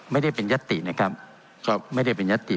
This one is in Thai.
ไม่ได้เป็นยัตตินะครับไม่ได้เป็นยัตติ